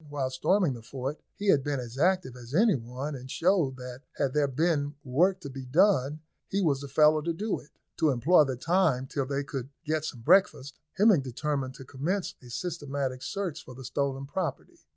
While storming the fort, he had been as active as any one, and showed that had there been work to be done he was the fellow to do it. To employ the time till they could get some breakfast, Hemming determined to commence a systematic search for the stolen property.